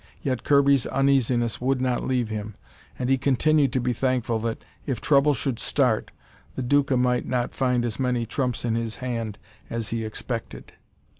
Yet Kirby's uneasiness would not leave him, and he continued to be thankful that, if trouble should start, the Duca might not find as many trumps in his hand as he expected.